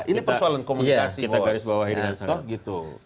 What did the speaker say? ini persoalan komunikasi bos